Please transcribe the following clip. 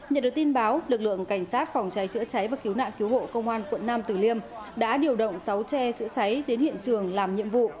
nhận được tin báo lực lượng cảnh sát phòng cháy chữa cháy và cứu nạn cứu hộ công an quận nam tử liêm đã điều động sáu xe chữa cháy đến hiện trường làm nhiệm vụ